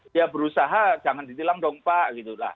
dia berusaha jangan ditilang dong pak gitu lah